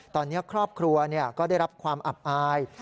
ตอนนี้ครอบครัวก็ได้รับความอับอาย